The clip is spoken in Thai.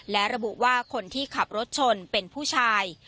และระบุว่าคนที่ขับรถชนเป็นผู้ชาย